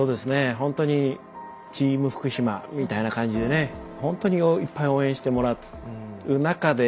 ほんとにチーム福島みたいな感じでねほんとにいっぱい応援してもらう中で戦ってって。